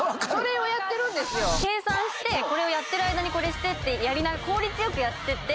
計算してこれをやってる間にこれしてって効率良くやってて。